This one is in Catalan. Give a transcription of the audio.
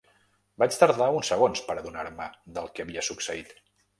Vaig tardar uns segons per adonar-me del que havia succeït.